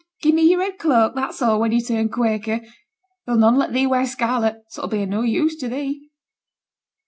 'Gi' me your red cloak, that's all, when yo' turn Quaker; they'll none let thee wear scarlet, so it 'll be of no use t' thee.'